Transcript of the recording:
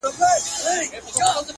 زما هغـه ســـترگو ته ودريـــږي-